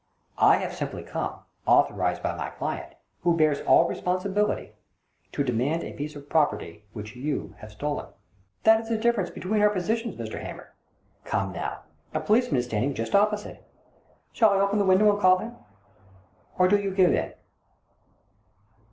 I have simply come, authorised by my client, who bears all the responsibility, to demand a piece of property which you have stolen. That is the difference between our positions, Mr. Hamer. Come now, a policeman is just standing opposite. Shall I open the window and call him, or do you give in?"